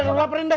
kita laporin deh